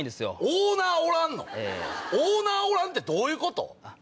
オーナーおらんの⁉オーナーおらんってどういうこと？